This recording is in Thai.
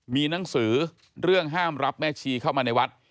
มีหนังสือเรื่องห้ามรับแม่ชีเข้ามาในวัด